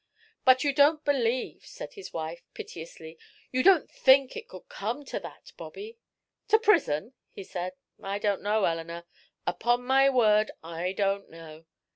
"But you don't believe," said his wife, piteously, "you don't think it could come to that, Bobby?" "To prison?" he said. "I don't know, Eleanor upon my word I don't know."